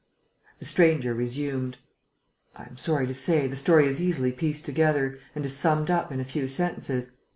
The stranger resumed: "I am sorry to say, the story is easily pieced together and is summed up in a few sentences.